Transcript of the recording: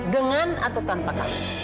dengan atau tanpa kamu